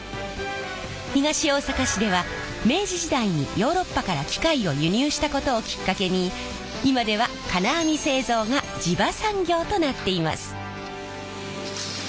東大阪市では明治時代にヨーロッパから機械を輸入したことをきっかけに今では金網製造が地場産業となっています。